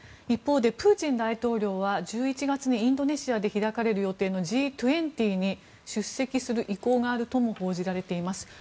一方でプーチン大統領は１１月にインドネシアで開かれる予定のＧ２０に出席する意向があるとも報じられています。